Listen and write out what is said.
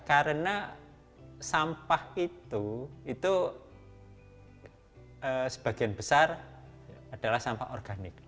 karena sampah itu itu sebagian besar adalah sampah organik